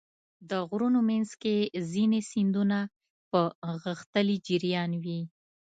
د غرونو منځ کې ځینې سیندونه په غښتلي جریان وي.